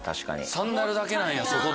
サンダルだけなんや？